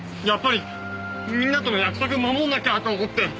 やっぱりみんなとの約束守んなきゃと思って！